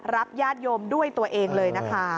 ญาติโยมด้วยตัวเองเลยนะคะ